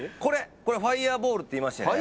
これファイヤーボウルっていいましてね